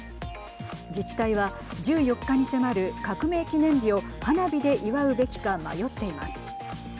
自治体は１４日に迫る革命記念日を花火で祝うべきか迷っています。